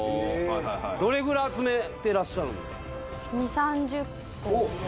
どれぐらい集めてらっしゃるんでしょうか？